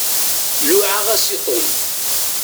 Luɛaɣ-as i Tom.